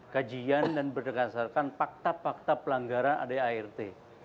kajian dan berdasarkan fakta fakta pelanggaran adart